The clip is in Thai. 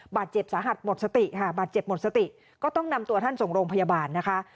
บาดเจ็บสาหัสหมดสติค่ะบาดเจ็บหมดสติก็ต้องนำตัวท่านส่งโรงพยาบาลนะคะ